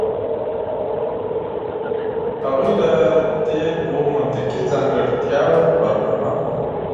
هغوی له دې دوو منطقي ځانګړتیاوو برخمن وو.